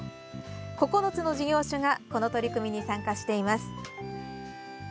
９つの事業所がこの取り組みに参加しています。